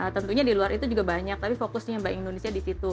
tentunya di luar itu juga banyak tapi fokusnya mbak indonesia di situ